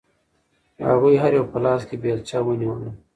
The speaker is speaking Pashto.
هغوی هر یو په لاس کې بیلچه ونیوله.